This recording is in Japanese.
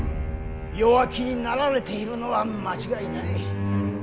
弱気になられているのは間違いない。